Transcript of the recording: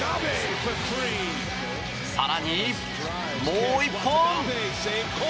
更に、もう１本！